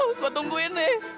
gue tunggu ini